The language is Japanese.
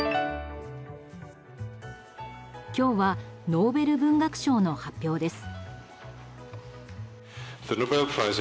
今日はノーベル文学賞の発表です。